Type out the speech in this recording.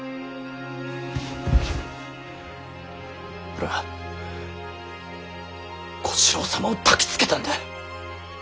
俺は小四郎様をたきつけたんだ。